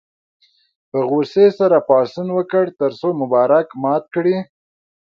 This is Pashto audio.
په غوسې سره پاڅون وکړ تر څو مبارک مات کړي.